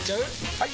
・はい！